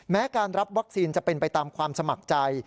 แม้การรับวัคซีนจะเป็นไปตามความสมัครใจ